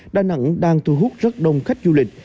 đà nẵng đang thu hút rất đông khách du lịch